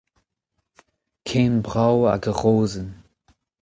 Ken brav hag ur rozenn.